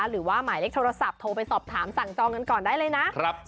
หรือว่าหมายเลขโทรศัพท์โทรไปสอบถามสั่งจองกันก่อนได้เลยนะ